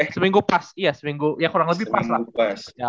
seminggu pas kurang lebih pas lah